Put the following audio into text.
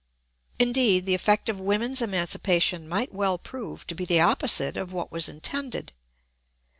Indeed, the effect of women's emancipation might well prove to be the opposite of what was intended.